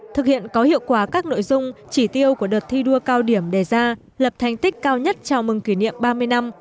thực hiện có hiệu quả các nội dung chỉ tiêu của đợt thi đua cao điểm đề ra lập thành tích cao nhất chào mừng kỷ niệm ba mươi năm